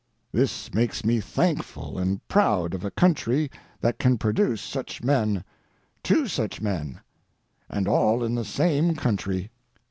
This makes me thankful and proud of a country that can produce such men—two such men. And all in the same country.